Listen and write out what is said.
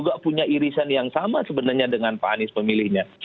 juga punya irisan yang sama sebenarnya dengan pak anies pemilihnya